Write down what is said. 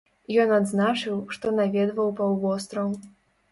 Ён адзначыў, што наведваў паўвостраў.